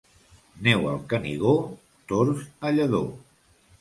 Neu al Canigó, tords a Lledó.